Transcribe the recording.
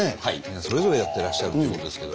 それぞれやってらっしゃるっていうことですけど。